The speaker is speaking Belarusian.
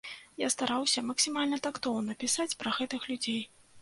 Я стараўся максімальна тактоўна пісаць пра гэтых людзей.